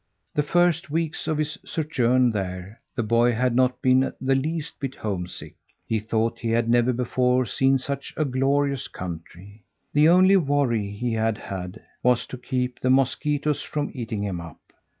The first weeks of his sojourn there the boy had not been the least bit homesick. He thought he had never before seen such a glorious country. The only worry he had had was to keep the mosquitoes from eating him up.